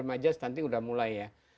remaja stunting udah mulai ya